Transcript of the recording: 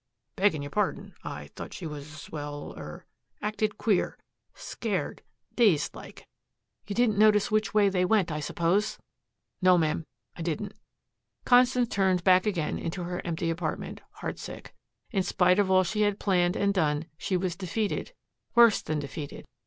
"Beggin' your pardon, I thought she was well, er, acted queer scared dazed like." "You didn't notice which way they went, I suppose!" "No ma'am, I didn't." Constance turned back again into her empty apartment, heart sick. In spite of all she had planned and done, she was defeated worse than defeated.